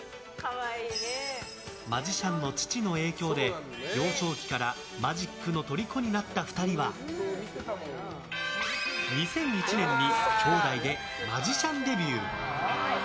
マジシャンの父の影響で幼少期からマジックのとりこになった２人は２００１年に、兄弟でマジシャンデビュー。